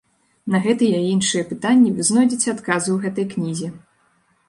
На гэтыя і іншыя пытанні вы знойдзеце адказы ў гэтай кнізе.